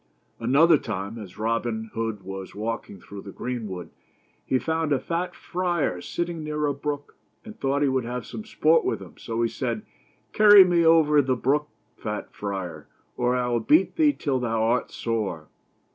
Another time, as Robin Hood was walking through the greenwood, he found a tat friar sitting near a brook, and thought he would have some sport with him, so he said :" Carry me over the brook, fat friar, or I will beat thee till thou art sore."